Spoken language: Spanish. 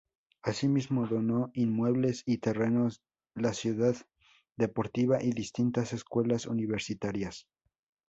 Asimismo, donó inmuebles y terrenos la Ciudad deportiva y distintas escuelas universitarias.